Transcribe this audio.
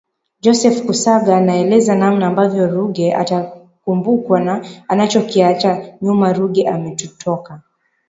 Joseph Kusaga ameeleza namna ambavyo Ruge atakumbukwa na anachokiacha nyuma Ruge ametutoka